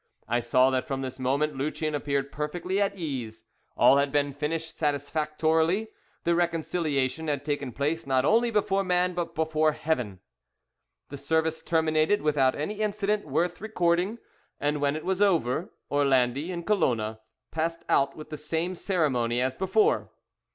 I saw that from this moment Lucien appeared perfectly at ease. All had been finished satisfactorily: the reconciliation had taken place not only before man but before Heaven. The service terminated without any incident worth recording; and when it was over, Orlandi and Colona passed out with the same ceremony as before.